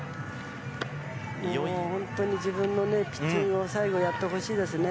自分のピッチングを最後やってほしいですね。